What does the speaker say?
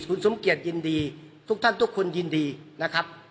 คุณสมเกียจยินดีทุกท่านทุกคนยินดีนะครับ